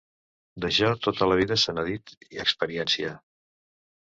D'això tota la vida se n'ha dit experiència.